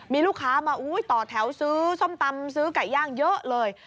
มีลูกค้ามาต่อแถวซื้อส้มตำซื้อไก่ย่างเยอะเลย